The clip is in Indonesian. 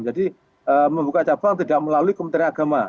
jadi membuka cabang tidak melalui kementerian agama